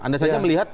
anda saja melihat